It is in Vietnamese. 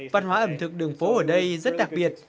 văn hóa ẩm thực đường phố ở đây rất đặc biệt